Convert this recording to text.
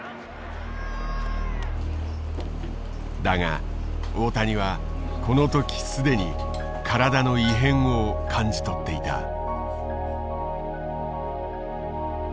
だが大谷はこの時既に体の異変を感じ取っていた。